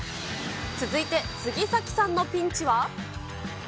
続いて杉咲さんのピンチは。